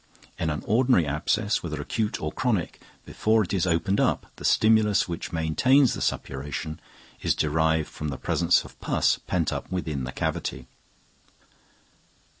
In an ordinary abscess, whether acute or chronic, before it is opened the stimulus which maintains the suppuration is derived from the presence of pus pent up within the cavity.